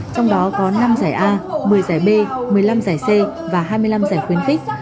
trong đó có năm giải a một mươi giải b một mươi năm giải c và hai mươi năm giải khuyến khích